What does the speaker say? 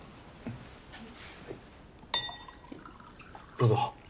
どうぞ。